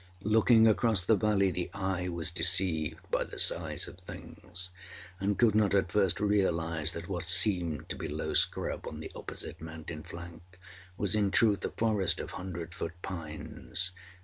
Looking across the valley, the eye was deceived by the size of things, and could not at first realise that what seemed to be low scrub, on the opposite mountain flank, was in truth a forest of hundred foot pines.